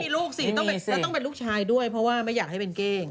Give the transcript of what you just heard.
ลูกสิแล้วต้องเป็นลูกชายด้วยเพราะว่าไม่อยากให้เป็นเก้ง